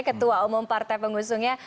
ketua umum partai pengusungnya